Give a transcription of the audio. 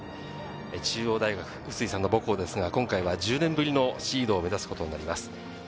中央大学、碓井さんの母校ですが、今回は１０年ぶりのシードを目指すことになります。